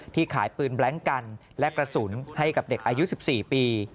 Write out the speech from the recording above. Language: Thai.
ขายปืนแบล็งกันและกระสุนให้กับเด็กอายุ๑๔ปี